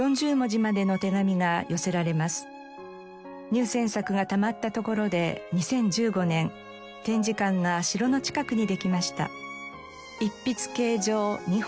入選作がたまったところで２０１５年展示館が城の近くにできました。